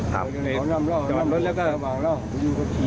จอดรถแล้วก็